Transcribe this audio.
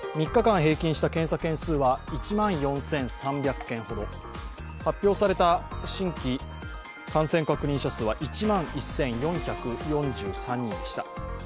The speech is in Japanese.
３日間平均した検査件数は１万４３００件ほど発表された新規感染確認者数は１万１４４３人でした。